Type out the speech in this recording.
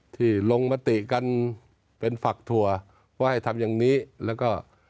ที่ลงมติกันเป็นฝักถั่วว่าให้ทำอย่างนี้แล้วก็